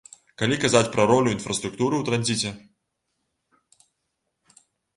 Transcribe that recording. Калі казаць пра ролю інфраструктуры ў транзіце.